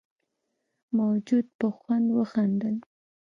موجود په خوند وخندل.